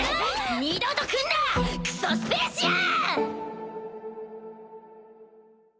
二度と来んなクソスペーシアン！